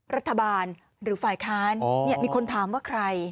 รัฐบาลหรือฝ่ายค้านมีคนถามว่าใคร